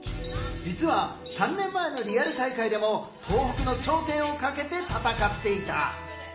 実は３年前のリアル大会でも東北の頂点をかけて戦っていた。